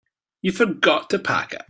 You forgot to pack it.